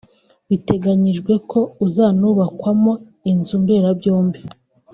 Biteganyijwe ko uzanubakwamo inzu mberabyombi